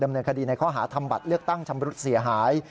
เนินคดีในข้อหาทำบัตรเลือกตั้งชำรุดเสียหาย